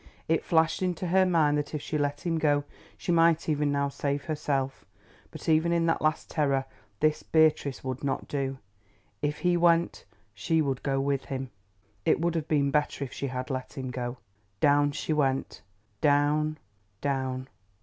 It flashed into her mind that if she let him go she might even now save herself, but even in that last terror this Beatrice would not do. If he went, she would go with him. It would have been better if she had let him go. Down she went—down, down!